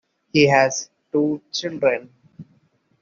He has two children.